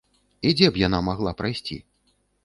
І дзе б яна магла прайсці?